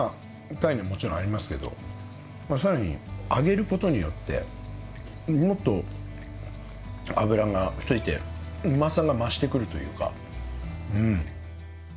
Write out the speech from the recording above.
タイにももちろんありますけど更に揚げることによってもっと油がついてうまさが増してくるというかうん。